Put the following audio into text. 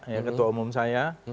yang ketua umum saya